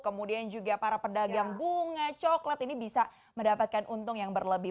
kemudian juga para pedagang bunga coklat ini bisa mendapatkan untung yang berlebih